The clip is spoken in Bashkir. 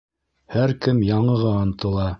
Һәр кем яңыға ынтыла.